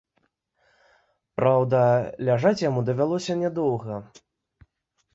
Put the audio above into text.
Праўда, ляжаць яму давялося нядоўга.